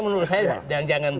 menurut saya jangan begitu